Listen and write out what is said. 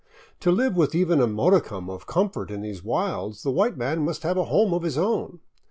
To live with even a modicum of com fort in these wilds the white man must have a home of his own.